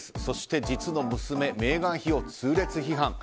そして、実の娘メーガン妃を痛烈批判。